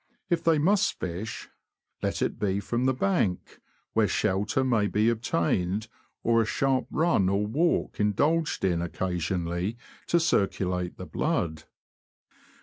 If they must fish, let it be from the bank, where shelter may be obtained, or a sharp run or walk indulged in occasionally to circulate the blood.